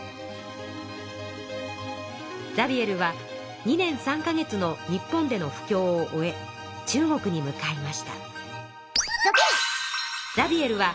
ザビエルは２年３か月の日本での布教を終え中国に向かいました。